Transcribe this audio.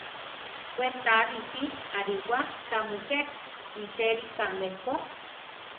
We ta risí ariwa tamujé isélikame ko.